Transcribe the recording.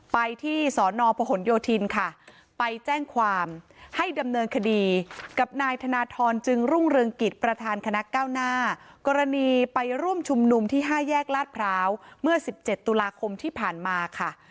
ไปที่สอนอพหนโยธินค่ะไปแจ้งความให้ดำเนินคดีกับนายธนทรจึงรุ่งเรืองกิจประธานคณะก้าวหน้ากรณีไปร่วมชุมนุมที่๕แยกลาดพร้าวเมื่อ๑๗ตุลาคมที่ผ่านมาค่ะ